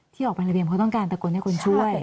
ที่ออกไประเบียงเพราะต้องการตะโกนให้คนช่วย